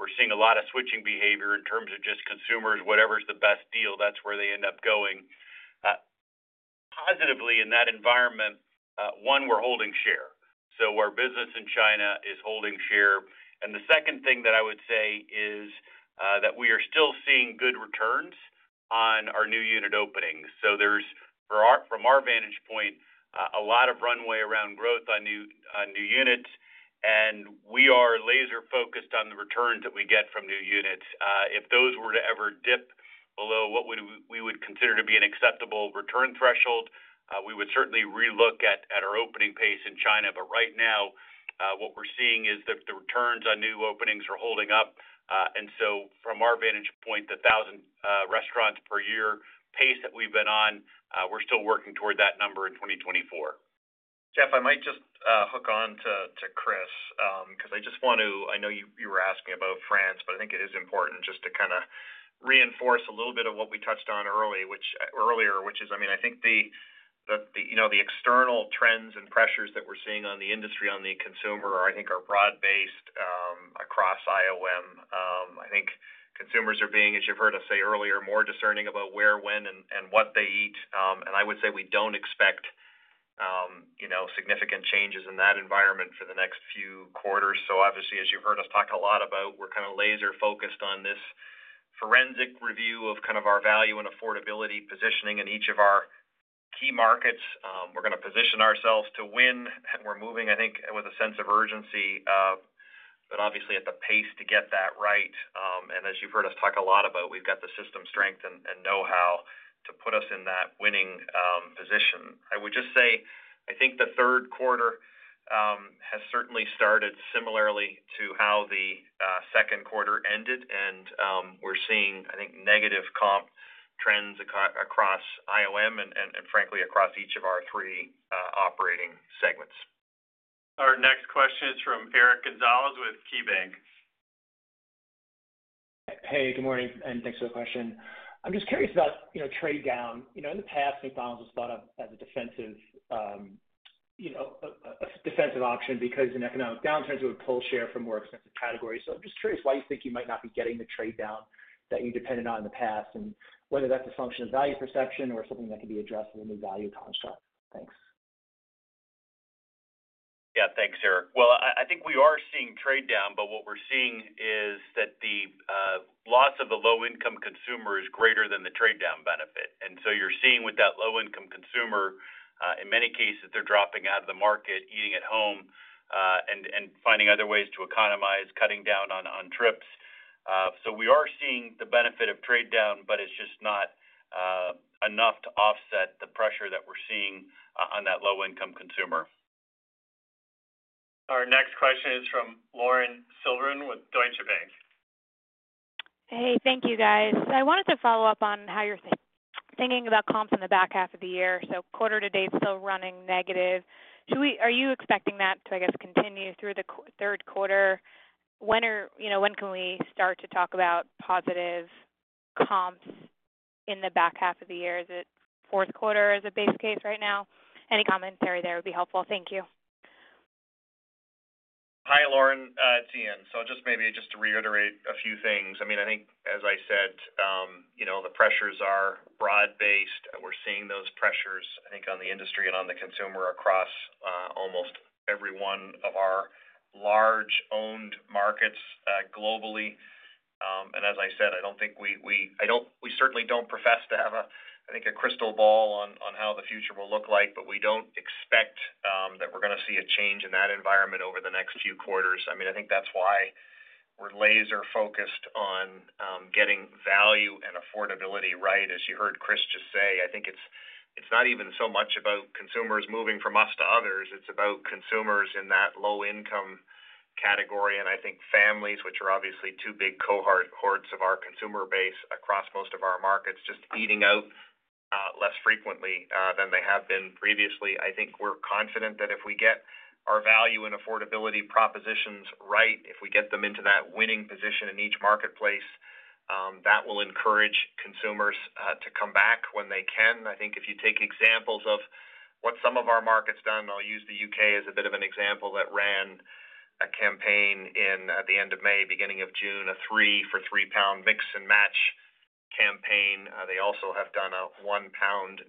we're seeing a lot of switching behavior in terms of just consumers, whatever is the best deal, that's where they end up going. Positively in that environment, we're holding share, so our business in China is holding share. The second thing that I would say is that we are still seeing good returns on our new unit openings. So there's, for our—from our vantage point, a lot of runway around growth on new, on new units, and we are laser focused on the returns that we get from new units. If those were to ever dip below what would we, we would consider to be an acceptable return threshold, we would certainly relook at, at our opening pace in China. But right now, what we're seeing is that the returns on new openings are holding up. And so from our vantage point, the 1,000 restaurants per year pace that we've been on, we're still working toward that number in 2024. Jeff, I might just hook on to, to Chris, because I just want to, I know you were asking about France, but I think it is important just to kinda reinforce a little bit of what we touched on earlier, which is, I mean, I think you know, the external trends and pressures that we're seeing on the industry, on the consumer. I think are broad-based across IOM. I think consumers are being, as you've heard us say earlier, more discerning about where, when, and what they eat. And I would say we don't expect, you know, significant changes in that environment for the next few quarters. So obviously, as you've heard us talk a lot about, we're kinda laser focused on this forensic review of kind of our value and affordability positioning in each of our key markets. We're gonna position ourselves to win, and we're moving, I think, with a sense of urgency, but obviously at the pace to get that right. And as you've heard us talk a lot about, we've got the system strength and know-how to put us in that winning position. I would just say, I think the third quarter has certainly started similarly to how the second quarter ended, and we're seeing, I think, negative comp trends across IOM and, frankly, across each of our three operating segments. Our next question is from Eric Gonzalez with KeyBanc. Hey, good morning, and thanks for the question. I'm just curious about, you know, trade down. You know, in the past, McDonald's was thought of as a defensive, you know, a defensive option because in economic downturns, it would pull share from more expensive categories. So I'm just curious why you think you might not be getting the trade down that you depended on in the past, and whether that's a function of value perception or something that can be addressed in the value construct? Thanks. Yeah, thanks, Eric. Well, I think we are seeing trade down, but what we're seeing is that the loss of the low-income consumer is greater than the trade down benefit. And so you're seeing with that low-income consumer, in many cases, they're dropping out of the market, eating at home, and finding other ways to economize, cutting down on trips. So we are seeing the benefit of trade down, but it's just not enough to offset the pressure that we're seeing on that low-income consumer. Our next question is from Lauren Silberman with Deutsche Bank. Hey, thank you, guys. I wanted to follow up on how you're thinking about comps in the back half of the year. So quarter to date, still running negative. Are you expecting that to, I guess, continue through the third quarter? When... you know, when can we start to talk about positive comps in the back half of the year? Is it fourth quarter as a base case right now? Any commentary there would be helpful. Thank you. Hi, Lauren, it's Ian. So just maybe just to reiterate a few things. I mean, I think as I said, you know, the pressures are broad-based, and we're seeing those pressures, I think, on the industry and on the consumer across almost every one of our large owned markets globally. And as I said, we certainly don't profess to have a, I think, a crystal ball on how the future will look like, but we don't expect that we're gonna see a change in that environment over the next few quarters. I mean, I think that's why we're laser-focused on getting value and affordability, right. As you heard Chris just say, I think it's not even so much about consumers moving from us to others, it's about consumers in that low income category, and I think families, which are obviously two big cohorts of our consumer base across most of our markets, just eating out less frequently than they have been previously. I think we're confident that if we get our value and affordability propositions right, if we get them into that winning position in each marketplace, that will encourage consumers to come back when they can. I think if you take examples of what some of our market's done, I'll use the U.K. as a bit of an example that ran a campaign in the end of May, beginning of June, a 3 for 3 pound Mix 'N' Match campaign. They also have done a 1.99 pound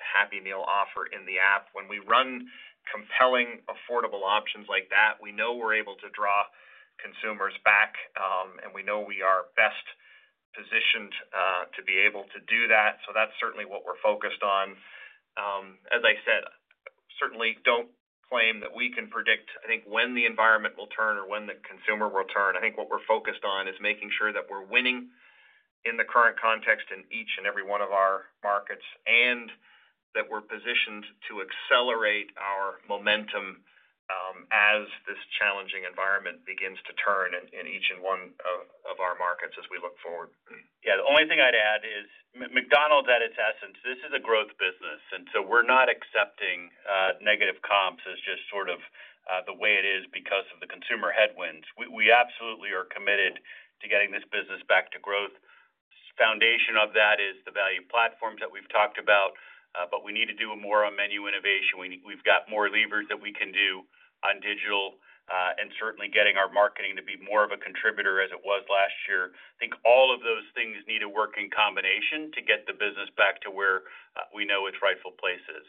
Happy Meal offer in the app. When we run compelling, affordable options like that, we know we're able to draw consumers back, and we know we are best positioned to be able to do that. So that's certainly what we're focused on. As I said, certainly don't claim that we can predict, I think, when the environment will turn or when the consumer will turn. I think what we're focused on is making sure that we're winning in the current context in each and every one of our markets, and that we're positioned to accelerate our momentum as this challenging environment begins to turn in each one of our markets as we look forward. Yeah. The only thing I'd add is McDonald's, at its essence, this is a growth business, and so we're not accepting negative comps as just sort of the way it is because of the consumer headwinds. We absolutely are committed to getting this business back to growth. Foundation of that is the value platforms that we've talked about, but we need to do more on menu innovation. We've got more levers that we can do on digital, and certainly getting our marketing to be more of a contributor as it was last year. I think all of those things need to work in combination to get the business back to where we know its rightful place is.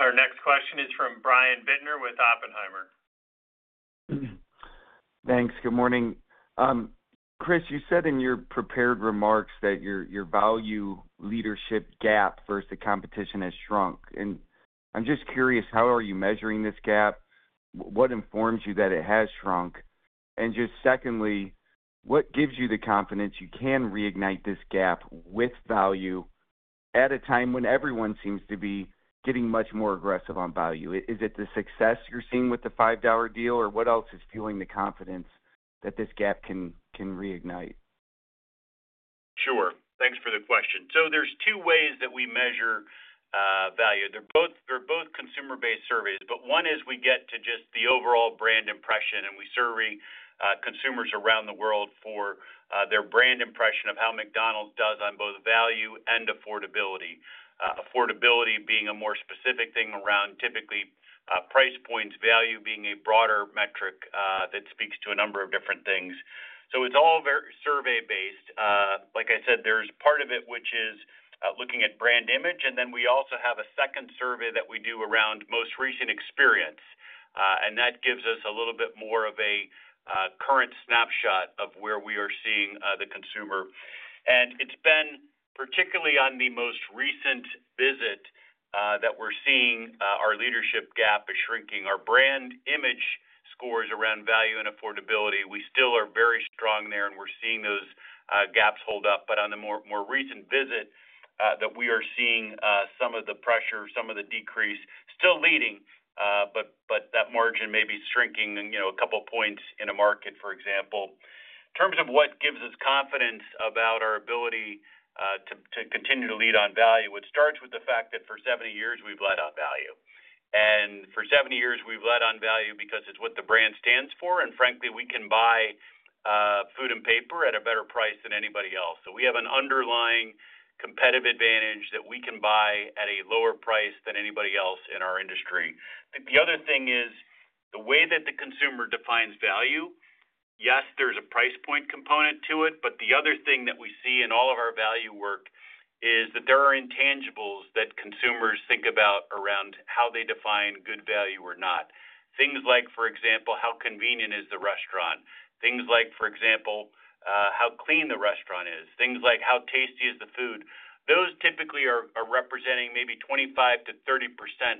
Our next question is from Brian Bittner with Oppenheimer. Thanks. Good morning. Chris, you said in your prepared remarks that your value leadership gap versus the competition has shrunk. And I'm just curious, how are you measuring this gap? What informs you that it has shrunk? And just secondly, what gives you the confidence you can reignite this gap with value at a time when everyone seems to be getting much more aggressive on value? Is it the success you're seeing with the $5 deal, or what else is fueling the confidence that this gap can reignite? Sure. Thanks for the question. So there's two ways that we measure value. They're both, they're both consumer-based surveys, but one is we get to just the overall brand impression, and we survey consumers around the world for their brand impression of how McDonald's does on both value and affordability. Affordability being a more specific thing around typically price points, value being a broader metric that speaks to a number of different things. So it's all very survey-based. Like I said, there's part of it which is looking at brand image, and then we also have a second survey that we do around most recent experience, and that gives us a little bit more of a current snapshot of where we are seeing the consumer. And it's been, particularly on the most recent visit, that we're seeing our leadership gap is shrinking. Our brand image scores around value and affordability; we still are very strong there, and we're seeing those gaps hold up. But on the more recent visit, that we are seeing some of the pressure, some of the decrease, still leading, but that margin may be shrinking, you know, a couple of points in a market, for example. In terms of what gives us confidence about our ability to continue to lead on value, it starts with the fact that for 70 years, we've led on value. And for 70 years, we've led on value because it's what the brand stands for, and frankly, we can buy food and paper at a better price than anybody else. So we have an underlying competitive advantage that we can buy at a lower price than anybody else in our industry. The other thing is-... The way that the consumer defines value, yes, there's a price point component to it, but the other thing that we see in all of our value work, is that there are intangibles that consumers think about around how they define good value or not. Things like, for example, how convenient is the restaurant? Things like, for example, how clean the restaurant is. Things like, how tasty is the food? Those typically are representing maybe 25%-30%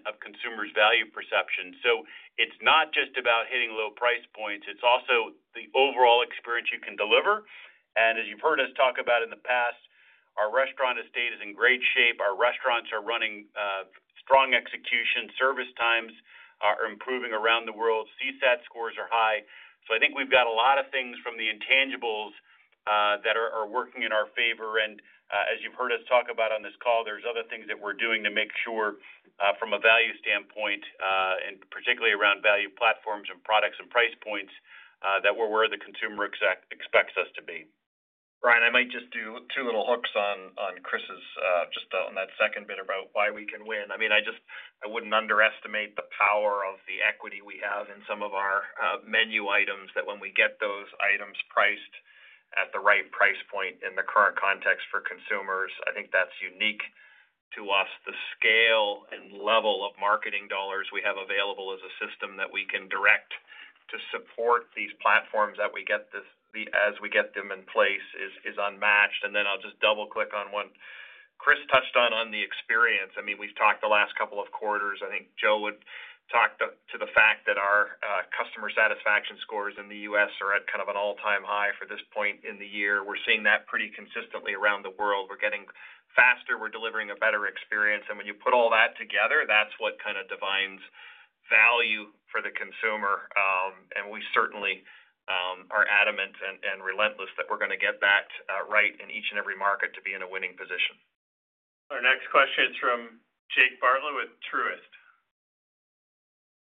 of consumers' value perception. So it's not just about hitting low price points, it's also the overall experience you can deliver. And as you've heard us talk about in the past, our restaurant estate is in great shape. Our restaurants are running, strong execution. Service times are improving around the world. CSAT scores are high. I think we've got a lot of things from the intangibles that are working in our favor. As you've heard us talk about on this call, there's other things that we're doing to make sure, from a value standpoint, and particularly around value platforms and products and price points, that we're where the consumer expects us to be. Brian, I might just do two little hooks on Chris's just on that second bit about why we can win. I mean, I just—I wouldn't underestimate the power of the equity we have in some of our menu items, that when we get those items priced at the right price point in the current context for consumers, I think that's unique to us. The scale and level of marketing dollars we have available as a system that we can direct to support these platforms, as we get them in place, is unmatched. And then I'll just double click on what Chris touched on, on the experience. I mean, we've talked the last couple of quarters. I think Joe would talked up to the fact that our customer satisfaction scores in the U.S. are at kind of an all-time high for this point in the year. We're seeing that pretty consistently around the world. We're getting faster, we're delivering a better experience, and when you put all that together, that's what kind of defines value for the consumer. And we certainly are adamant and relentless that we're going to get that right in each and every market to be in a winning position. Our next question is from Jake Bartlett with Truist.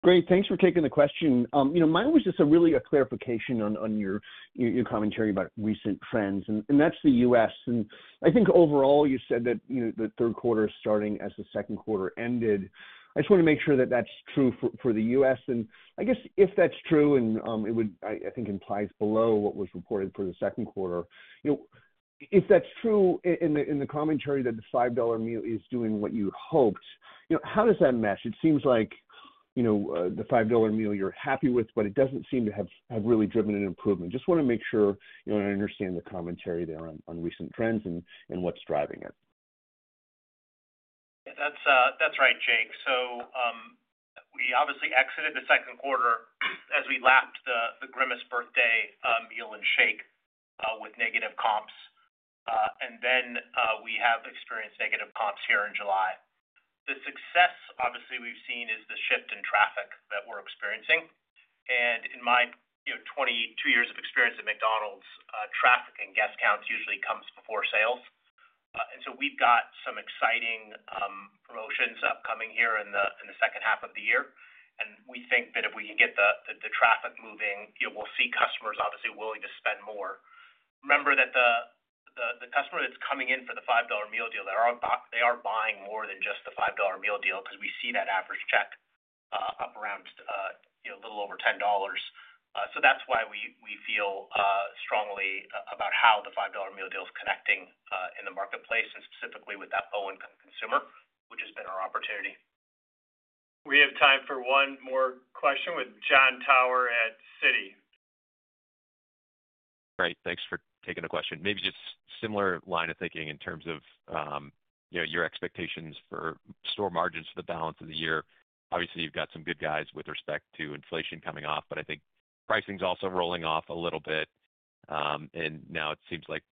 Great, thanks for taking the question. You know, mine was just a clarification on your commentary about recent trends, and that's the U.S.. I think overall, you said that, you know, the third quarter starting as the second quarter ended. I just want to make sure that that's true for the U.S.. I guess if that's true, it would, I think, imply below what was reported for the second quarter. You know, if that's true, in the commentary that the $5 meal is doing what you hoped, you know, how does that mesh? It seems like, you know, the $5 meal you're happy with, but it doesn't seem to have really driven an improvement. Just want to make sure, you know, I understand the commentary there on recent trends and what's driving it. That's right, Jake. So, we obviously exited the second quarter as we lapped the Grimace Birthday Meal and shake with negative comps. And then, we have experienced negative comps here in July. The success, obviously, we've seen is the shift in traffic that we're experiencing. And in my, you know, 22 years of experience at McDonald's, traffic and guest counts usually comes before sales. And so we've got some exciting promotions upcoming here in the second half of the year. And we think that if we can get the traffic moving, you know, we'll see customers obviously willing to spend more. Remember that the customer that's coming in for the $5 Meal Deal, they are buying more than just the $5 Meal Deal, because we see that average check up around, you know, a little over $10. So that's why we feel strongly about how the $5 Meal Deal is connecting in the marketplace and specifically with that low end consumer, which has been our opportunity. We have time for one more question with Jon Tower at Citi. Great, thanks for taking the question. Maybe just similar line of thinking in terms of, you know, your expectations for store margins for the balance of the year. Obviously, you've got some good guys with respect to inflation coming off, but I think pricing is also rolling off a little bit. And now it seems like,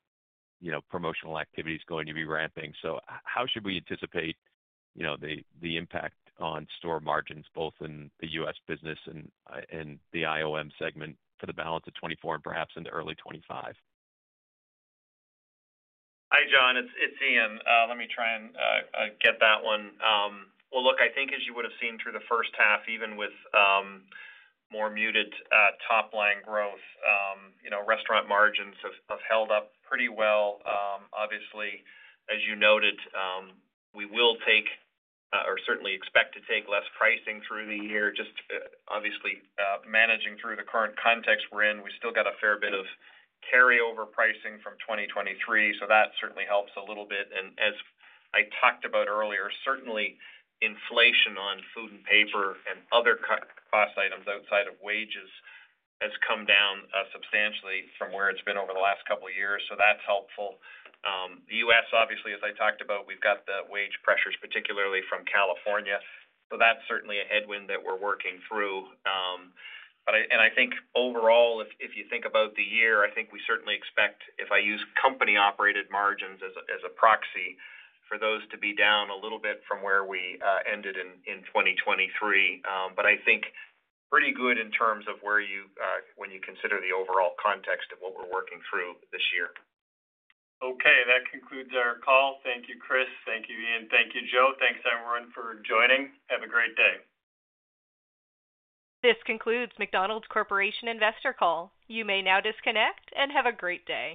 you know, promotional activity is going to be ramping. So how should we anticipate, you know, the, the impact on store margins, both in the U.S. business and, and the IOM segment for the balance of 2024 and perhaps in the early 2025? Hi, John, it's Ian. Let me try and get that one. Well, look, I think as you would have seen through the first half, even with more muted top line growth, you know, restaurant margins have held up pretty well. Obviously, as you noted, we will take or certainly expect to take less pricing through the year, just obviously managing through the current context we're in. We still got a fair bit of carryover pricing from 2023, so that certainly helps a little bit. And as I talked about earlier, certainly inflation on food and paper and other cost items outside of wages has come down substantially from where it's been over the last couple of years. So that's helpful. The U.S., obviously, as I talked about, we've got the wage pressures, particularly from California, so that's certainly a headwind that we're working through. But and I think overall, if you think about the year, I think we certainly expect, if I use company-operated margins as a proxy, for those to be down a little bit from where we ended in 2023. But I think pretty good in terms of where you, when you consider the overall context of what we're working through this year. Okay, that concludes our call. Thank you, Chris. Thank you, Ian. Thank you, Joe. Thanks, everyone, for joining. Have a great day. This concludes McDonald’s Corporation investor call. You may now disconnect and have a great day.